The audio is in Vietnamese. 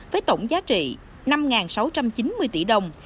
với tổng giá trị năm sáu trăm chín mươi tỷ đồng